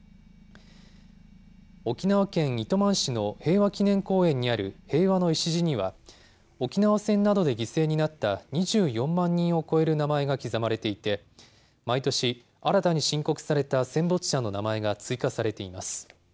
沖縄県糸満市の平和祈念公園にある平和の礎には、沖縄戦などで犠牲になった２４万人を超える名前が刻まれていて、毎年、新たに申告された戦没者の名前が追加されています。